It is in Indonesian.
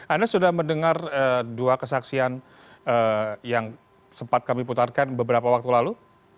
anda sudah mendengar dua kesaksian yang sempat kami putarkan beberapa waktu lalu